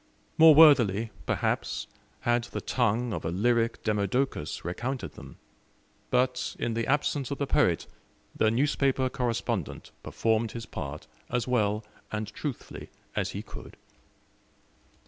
More worthily, perhaps, had the tongue of a lyric Demodocus recounted them; but, in the absence of the poet, the newspaper correspondent performed his part as well and truthfully as he could.